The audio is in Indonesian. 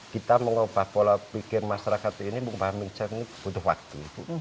kita mengubah pola pikir masyarakat ini mengubah mindset ini butuh waktu